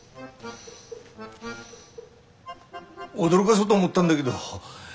驚がそうと思ったんだげど。